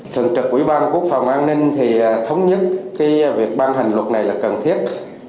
thường trực quỹ ban quốc phòng an ninh thì thống nhất cái việc ban hành luật này là cần thiết